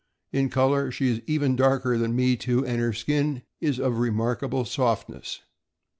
In color she is even darker than Me Too, and her skin is of remarkable softness.